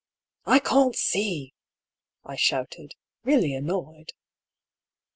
" I can't see I " I shouted, really annoyed.